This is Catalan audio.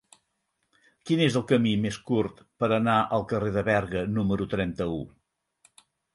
Quin és el camí més curt per anar al carrer de Berga número trenta-u?